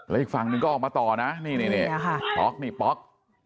แล้วอีกฝั่งนึงก็ออกมาต่อนะนี่นี่ป๊อกนี่ป๊อก